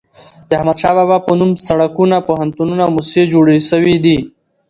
د احمد شاه بابا په نوم سړکونه، پوهنتونونه او موسسې جوړي سوي دي.